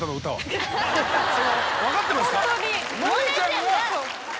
分かってますか？